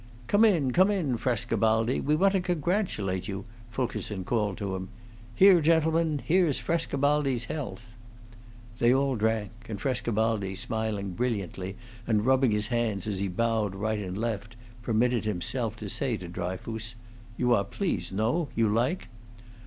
"Come in, come in, Frescobaldi! We want to congratulate you," Fulkerson called to him. "Here, gentlemen! Here's Frescobaldi's health." They all drank; and Frescobaldi, smiling brilliantly and rubbing his hands as he bowed right and left, permitted himself to say to Dryfoos: "You are please; no? You like?"